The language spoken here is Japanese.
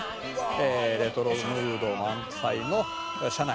「レトロムード満載の車内」